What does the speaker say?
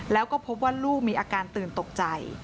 แล้วก็พบว่าลูกมีอาการตื่นตกใจ